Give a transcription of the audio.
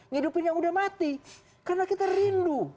hidupin yang udah mati karena kita rindu